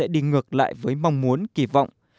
được lại với mong muốn kỳ vọng